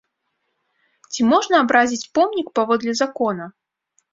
Ці можна абразіць помнік, паводле закона?